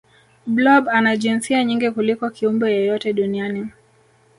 blob ana jinsia nyingi kuliko kiumbe yeyote duniani